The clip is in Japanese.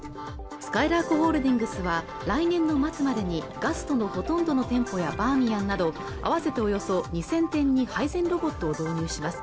すかいらーくホールディングスは来年の末までにガストのほとんどの店舗やバーミヤンなど合わせておよそ２０００店に配膳ロボットを導入します